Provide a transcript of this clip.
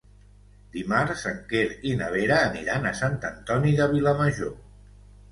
Dimarts en Quer i na Vera aniran a Sant Antoni de Vilamajor.